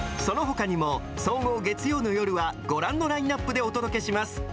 そのほかにも、総合月曜の夜は、ご覧のラインナップでお届けします。